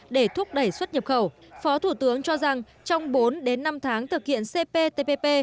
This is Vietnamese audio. để thúc đẩy xuất nhập khẩu phó thủ tướng cho rằng trong bốn đến năm tháng thực hiện cptpp